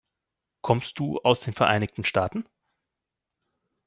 Kommst du aus den Vereinigten Staaten?